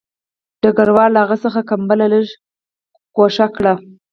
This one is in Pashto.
ډګروال له هغه څخه کمپله لږ ګوښه کړه